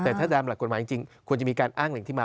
แต่ถ้าตามหลักกฎหมายจริงควรจะมีการอ้างแหล่งที่มา